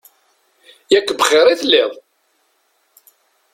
Yak bxir i telliḍ!